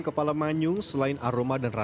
kepala maupun daging sama